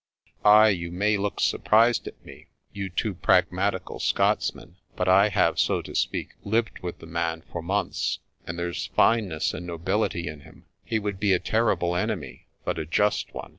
Ay, you may look surprised at me, you two pragmatical Scotsmen; but I have, so to speak, lived with the man for months, and there's fineness and nobility in him. He would be a terrible enemy, but a just one.